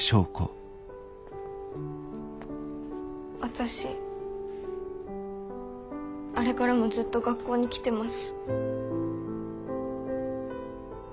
私あれからもずっと学校に来てます。